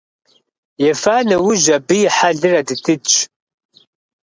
Ефа нэужь абы и хьэлыр адыдыдщ.